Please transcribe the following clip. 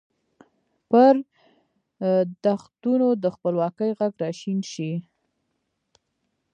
پر دښتونو د خپلواکۍ ږغ را شین شي